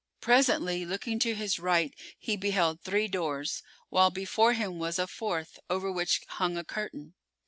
Presently looking to his right he beheld three doors, while before him was a fourth, over which hung a curtain.